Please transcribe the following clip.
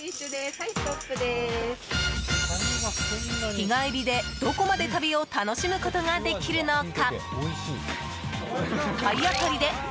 日帰りで、どこまで旅を楽しむことができるのか。